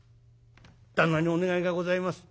「旦那にお願いがございます」。